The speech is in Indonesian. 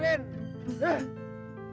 gue mundur lagi ah